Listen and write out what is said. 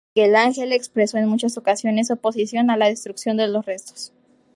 Miguel Ángel expresó en muchas ocasiones su oposición a la destrucción de los restos.